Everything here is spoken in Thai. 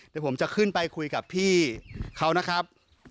เดี๋ยวผมจะขึ้นไปคุยกับพี่เขานะครับ